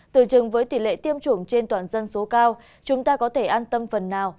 từ chừng với tỷ lệ tiêm chủng trên toàn dân số cao chúng ta có thể an tâm phần nào